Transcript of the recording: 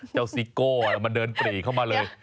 ซิโก้มันเดินปรีเข้ามาเลย